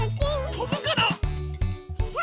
とぶかな？